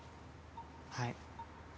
はい。